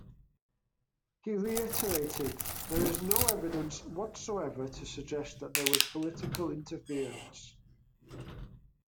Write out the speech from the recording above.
He reiterated: There is no evidence whatsoever to suggest that there was political interference.